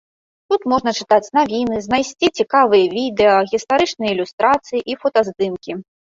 Тут можна чытаць навіны, знайсці цікавыя відэа, гістарычныя ілюстрацыі і фотаздымкі.